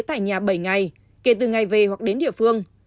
tại nhà bảy ngày kể từ ngày về hoặc đến địa phương